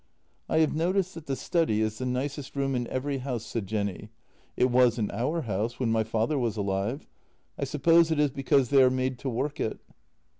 " I have noticed that the study is the nicest room in every house," said Jenny. " It was in our house, when my father was alive. I suppose it is because they are made to work it."